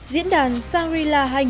trong phần tin quốc tế